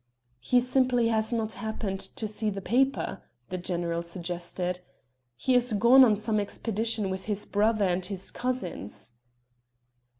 "He simply has not happened to see the paper," the general suggested. "He is gone on some expedition with his brother and his cousins."